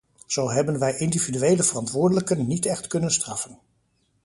Zo hebben wij individuele verantwoordelijken niet echt kunnen straffen.